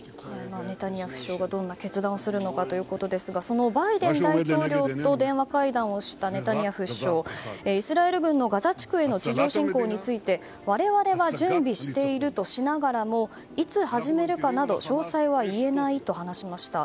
ネタニヤフ首相がどんな決断をするのかですがそのバイデン大統領と電話会談したネタニヤフ首相、イスラエル軍のガザ地区への地上侵攻について我々は準備しているとしながらもいつ始めるかなど詳細は言えないと話しました。